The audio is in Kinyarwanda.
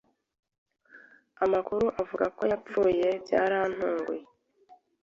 Amakuru avuga ko yapfuye byarantunguye.